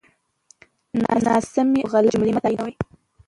ناسمی او غلطی جملی مه تاییدوی